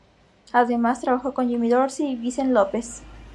Además, trabajó con Jimmy Dorsey y Vincent Lopez.